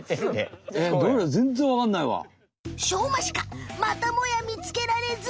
しょうまシカまたもや見つけられず。